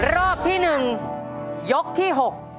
รอบที่๑ยกที่๖